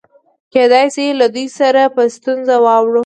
کېدای شي له دوی سره په ستونزه واوړو.